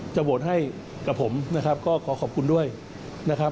โหวตให้กับผมนะครับก็ขอขอบคุณด้วยนะครับ